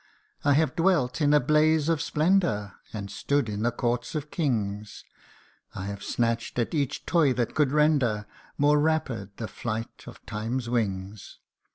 I have dwelt in a blaze of splendour, And stood in the courts of kings ; I have snatched at each toy that could render More rapid the flight of Time's wings.